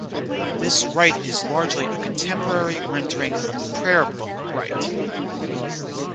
This rite is largely a contemporary rendering of the Prayer Book rite.